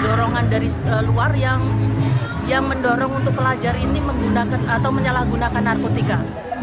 diorongan dari luar yang mendorong untuk pelajar ini menyalahgunakan narkotika